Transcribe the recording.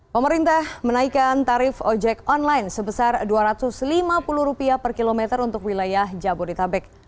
pemerintah menaikkan tarif ojek online sebesar rp dua ratus lima puluh per kilometer untuk wilayah jabodetabek